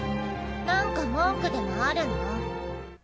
何か文句でもあるの？